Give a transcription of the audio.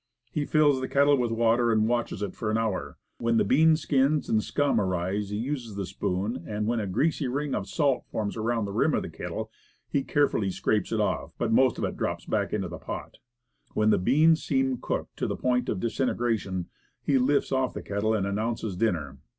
He fills the kettle with water and watches it for an hour. When bean skins and scum arise he uses the spoon; and when a ring of greasy salt forms around the rim of the kettle, he carefully scrapes it off, but most of it drops back into the pot. When the beans seem cooked to the point of disintegration, he lifts off the kettle, and announces dinner.